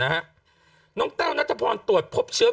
กล้องกว้างอย่างเดียว